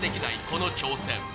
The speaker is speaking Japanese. この挑戦。